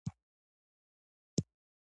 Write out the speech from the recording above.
ان ځينې دومره کمزورى استدلال کوي،